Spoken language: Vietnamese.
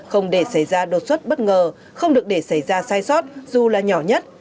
không để xảy ra đột xuất bất ngờ không được để xảy ra sai sót dù là nhỏ nhất